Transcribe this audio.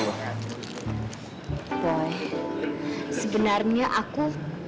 boy sebenarnya aku